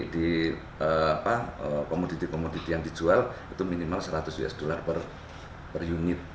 di komoditi komoditi yang dijual itu minimal seratus usd per unit